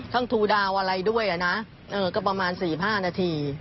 ทูดาวอะไรด้วยนะก็ประมาณ๔๕นาที